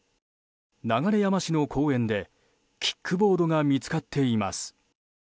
流山市の公園でキックボードが見つかっています。